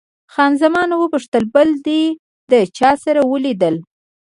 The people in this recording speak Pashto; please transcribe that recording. خان زمان وپوښتل، بل دې له چا سره ولیدل؟